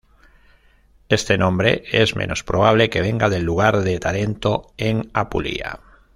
Este nombre es menos probable que venga del lugar de Tarento en Apulia.